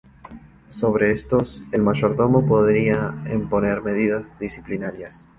Sobre estos el mayordomo podía imponer medidas disciplinarias.